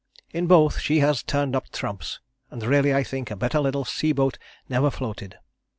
In both she has turned up trumps, and really I think a better little sea boat never floated.